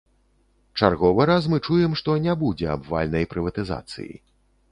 Чарговы раз мы чуем што не будзе абвальнай прыватызацыі.